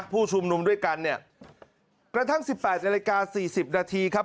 ผู้ชุมนุมด้วยกันเนี่ยกระทั่ง๑๘นาฬิกา๔๐นาทีครับ